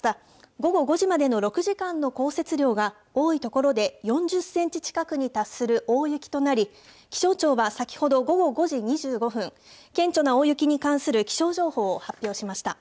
午後５時までの６時間の降雪量が、多い所で４０センチ近くに達する大雪となり、気象庁は先ほど午後５時２５分、顕著な大雪に関する気象情報を発表しました。